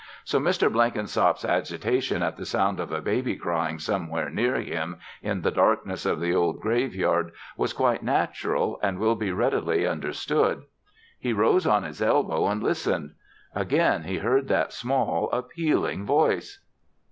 So Mr. Blenkinsop's agitation at the sound of a baby crying somewhere near him, in the darkness of the old graveyard, was quite natural and will be readily understood. He rose on his elbow and listened. Again he heard that small, appealing voice.